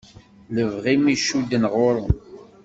Lebɣi-w icudden ɣur-m.